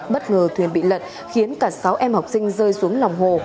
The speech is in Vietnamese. bất ngờ thuyền bị lật khiến cả sáu em học sinh rơi xuống lòng hồ